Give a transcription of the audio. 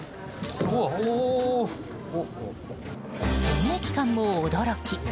検疫官も驚き！